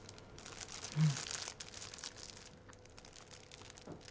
うん